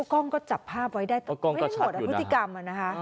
กล้องก็จับภาพไว้ได้ไม่ได้หมดอธิติกรรม